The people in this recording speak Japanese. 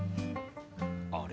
あれ？